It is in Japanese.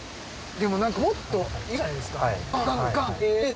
でもなんかもっと岩じゃないですか。